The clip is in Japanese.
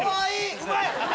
うまい！